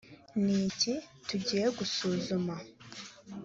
b ni iki tugiye gusuzuma